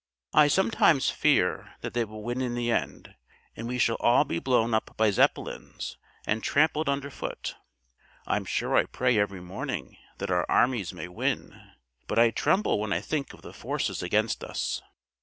"I sometimes fear that they will win in the end, and we shall all be blown up by Zeppelins and trampled underfoot. I'm sure I pray every morning that our armies may win, but I tremble when I think of the forces against us."